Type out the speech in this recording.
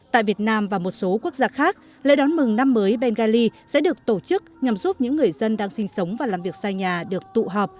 tại việt nam và một số quốc gia khác lễ đón mừng năm mới bengali sẽ được tổ chức nhằm giúp những người dân đang sinh sống và làm việc xa nhà được tụ họp